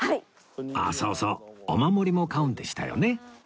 ああそうそうお守りも買うんでしたよね